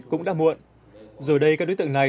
cũng đã muộn rồi đây các đối tượng này